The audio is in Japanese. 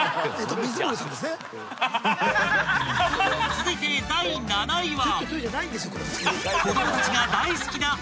［続いて第７位は］